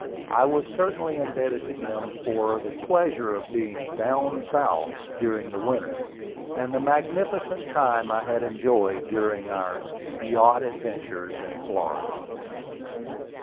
I was certainly indebted to him for the pleasure of being "Down South" during the winter, and the magnificent time I had enjoyed during our "Yacht Adventures in Florida."